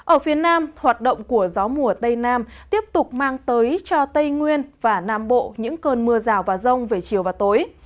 ở phía nam hoạt động của gió mùa tây nam tiếp tục mang tới cho tây nguyên và nam bộ những cơn mưa rào và rông về chiều và tối